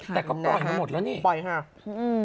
แต่ก็ปล่อยมาหมดแล้วนี่ปล่อยค่ะอืม